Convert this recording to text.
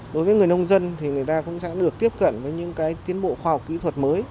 đối với người nông dân thì người ta cũng sẽ được tiếp cận với những cái tiến bộ khoa học kỹ thuật mới